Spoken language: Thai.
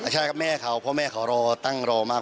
ใช่ครับแม่เขาเพราะแม่เขารอตั้งรอมาก